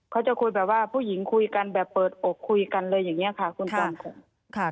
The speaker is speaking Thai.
เขาจะคุยแบบว่าผู้หญิงคุยกันแบบเปิดอกคุยกันเลยอย่างนี้ค่ะ